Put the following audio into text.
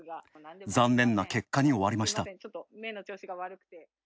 残念な結果に終わりました。